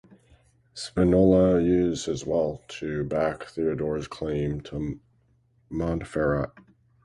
Spinola used his wealth to back Theodore's claim to Montferrat.